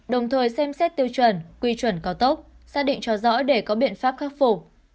đồng thời xem xét tiêu chuẩn quy chuẩn cao tốc xác định cho rõ để có biện pháp khắc phục